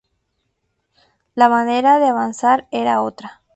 La manera de avanzar era otra.